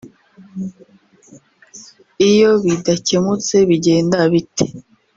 … iyo bidakemutse bigenda bite